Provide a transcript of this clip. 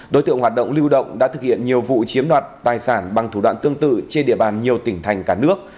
đối tượng hoạt động lưu động đã thực hiện nhiều vụ chiếm đoạt tài sản bằng thủ đoạn tương tự trên địa bàn nhiều tỉnh thành cả nước